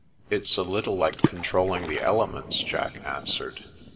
" It's a little like controlling the elements," Jack answered.